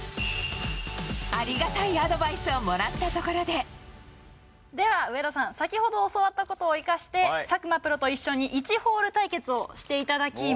ありがたいアドバイスをもらでは、上田さん、先ほど教わったことを生かして、佐久間プロと一緒に１ホール対決分かりました。